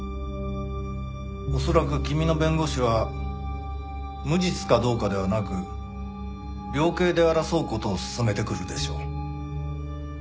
恐らく君の弁護士は無実かどうかではなく量刑で争う事を勧めてくるでしょう。